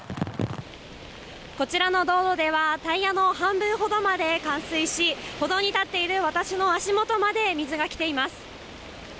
こちらの道路では、タイヤの半分ほどまで冠水し、歩道に立っている私の足元まで水が来ています。